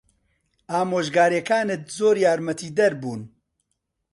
ئامۆژگارییەکانت زۆر یارمەتیدەر بوون.